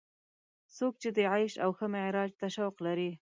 څوک چې د عیش او ښه معراج ته شوق لري.